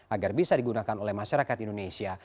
agar bisa digunakan oleh masyarakat indonesia